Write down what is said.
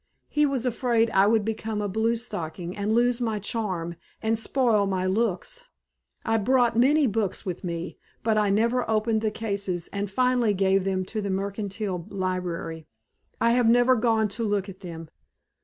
He was afraid I would become a bluestocking and lose my charm and spoil my looks. I brought many books with me, but I never opened the cases and finally gave them to the Mercantile Library. I have never gone to look at them."